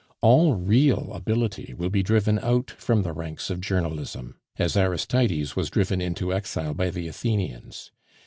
"All real ability will be driven out from the ranks of Journalism, as Aristides was driven into exile by the Athenians.